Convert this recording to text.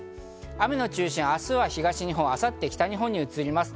雨の中心、明日は東日本、明後日北日本に移ります。